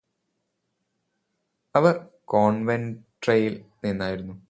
അവർ കോവന്ട്രിയില് നിന്നായിരുന്നു